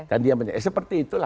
dan dia seperti itulah